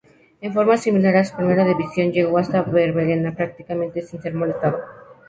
En forma similar a su primera invasión, llegó hasta Barberena prácticamente sin ser molestado.